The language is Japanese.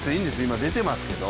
今、出てますけど。